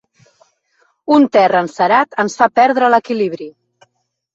Un terra encerat ens fa perdre l'equilibri.